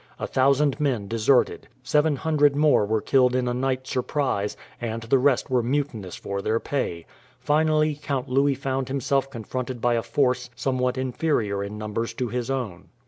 A thousand men deserted, seven hundred more were killed in a night surprise, and the rest were mutinous for their pay. Finally, Count Louis found himself confronted by a force somewhat inferior in numbers to his own.